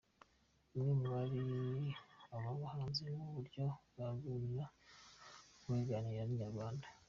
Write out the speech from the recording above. Umwe muri aba bahanzi mu buryo bwo kuganira waganiriye na Inyarwanda.